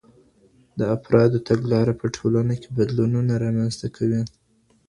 د افرادو تګلاره په ټولنه کې بدلونونه رامنځته کوي.